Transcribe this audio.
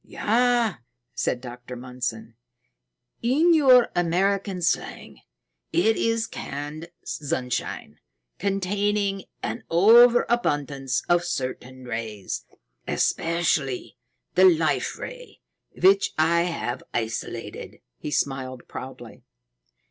"Yes," said Dr. Mundson. "In your American slang, it is canned sunshine containing an overabundance of certain rays, especially the Life Ray, which I have isolated." He smiled proudly.